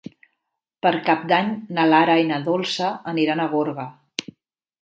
Per Cap d'Any na Lara i na Dolça aniran a Gorga.